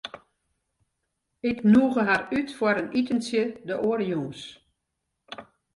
Ik nûge har út foar in itentsje de oare jûns.